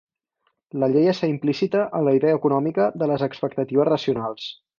La llei està implícita en la idea econòmica de les expectatives racionals.